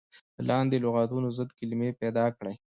د لاندې لغتونو ضد کلمې پيداکړئ.